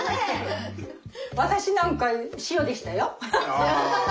私なんか塩でしたよ。